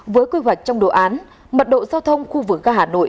với quy hoạch trong đồ án mật độ giao thông khu vực ga hà nội